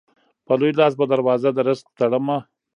په لوی لاس به دروازه د رزق تړمه